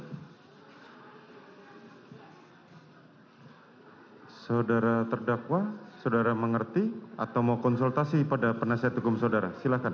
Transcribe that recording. hai saudara terdakwa saudara mengerti atau mau konsultasi pada penasihat hukum saudara silakan